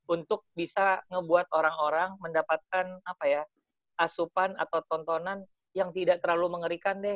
untuk bisa ngebuat orang orang mendapatkan asupan atau tontonan yang tidak terlalu mengerikan deh